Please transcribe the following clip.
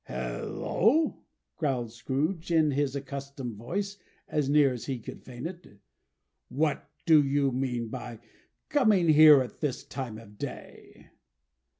"Hallo!" growled Scrooge, in his accustomed voice, as near as he could feign it. "What do you mean by coming here at this time of day?"